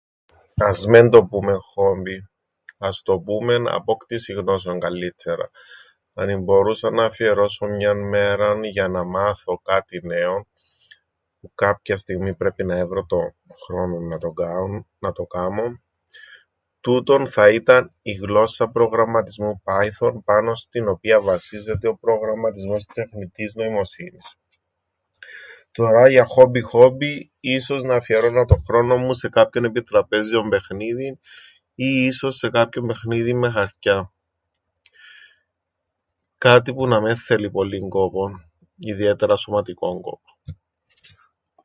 "Ας μεν το πούμεν ""χόμπι"", ας το πούμεν ""απόκτησην γνώσεων"" καλλύττερα. Αν εμπορούσα να αφιερώσω μιαν μέραν για να μάθω κάτι νέον -που κάποιαν στιγμήν πρέπει να έβρω τον χρόνον να το κάμω- τούτον θα ήταν η γλώσσα προγραμματισμού Πάιθον, πάνω στην οποίαν βασίζεται ο προγραμματισμός τεχνητής νοημοσύνης. Τωρά για χόμπι χόμπι, ίσως να αφιέρωννα τον χρόνον μου σε κάποιον επιτραπέζιον παιχνίδιν, ή ίσως σε κάποιον παιχνίδιν με χαρκιά. Κάτι που να μεν θέλει πολλύν κόπον, ιδιαίτερα σωματικόν κόπον."